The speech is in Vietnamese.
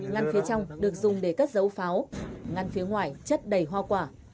ngăn phía trong được dùng để cất dấu pháo ngăn phía ngoài chất đầy hoa quả